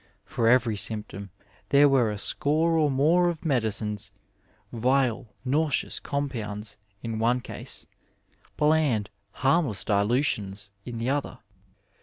For' every symptom there were a score or more of medicines — ^vile, nauseous com pounds in one case; bland, harmless dilutions in the other.